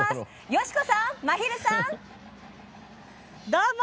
よしこさん、まひるさん！